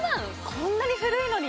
こんなに古いのに？